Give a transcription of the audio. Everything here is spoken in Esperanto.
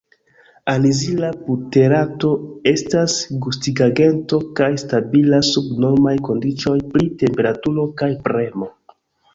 Anizila buterato estas gustigagento kaj stabila sub normaj kondiĉoj pri temperaturo kaj premo.